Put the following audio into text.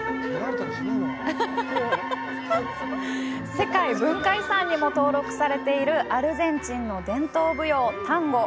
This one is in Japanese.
世界文化遺産にも登録されているアルゼンチンの伝統舞踊・タンゴ。